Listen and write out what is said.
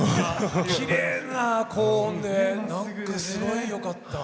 きれいな高音でなんか、すごいよかった。